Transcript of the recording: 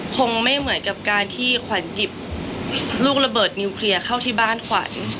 คงไม่เหมือนกับการที่ขวัญหยิบลูกระเบิดนิวเคลียร์เข้าที่บ้านขวัญ